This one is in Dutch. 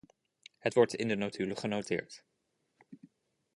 Het wordt in de notulen genoteerd.